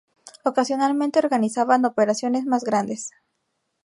Ocasionalmente organizaban operaciones más grandes.